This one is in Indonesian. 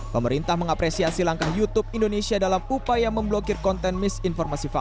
pemerintah mengapresiasi langkahnya